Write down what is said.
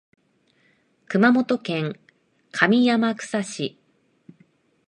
熊本県上天草市